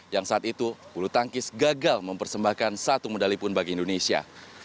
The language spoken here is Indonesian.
yang saat itu bulu tangkis gagal mempersembahkan satu medali pun bagi indonesia